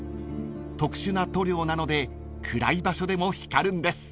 ［特殊な塗料なので暗い場所でも光るんです］